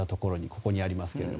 ここにありますけど。